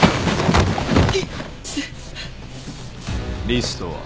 リストは？